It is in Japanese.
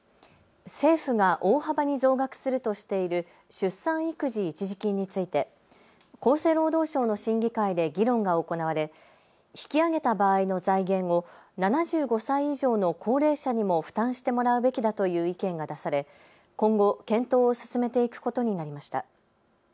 政府が大幅に増額するとしている出産育児一時金について厚生労働省の審議会で議論が行われ引き上げた場合の財源を７５歳以上の高齢者にも負担してもらうべきだという意見が出され今後、検討を進めていくことになりました。